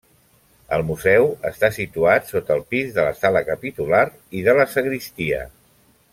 El museu està situat sota el pis de la sala capitular i de la sagristia.